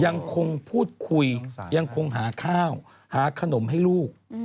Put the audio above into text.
ยังคงพูดคุยยังคงหาข้าวหาขนมให้ลูก